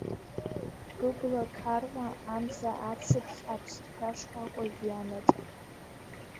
Быбла қаруа, амза ацыԥхь, аԥсҭҳәа шкәакәа жәҩанаҿ…